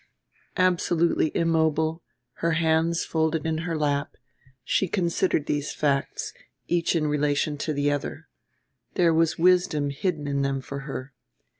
Absolutely immobile, her hands folded in her lap, she considered these facts, each in relation to the other: there was wisdom hidden in them for her.